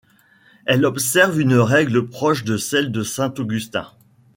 Elles observent une règle proche de celle de Saint Augustin.